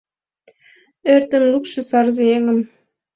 Ӧртым лукшо сарзе еҥым